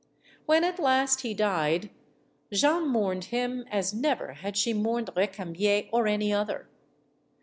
When at last he died, Jeanne mourned him as never had she mourned Recamier or any other.